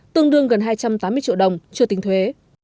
tương đương gần hai trăm tám mươi triệu đồng chưa tính thuế